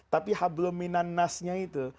tapi hablun minannasnya itu